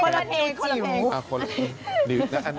อันนั้นเนียวจิ๋ว